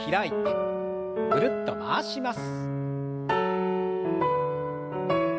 ぐるっと回します。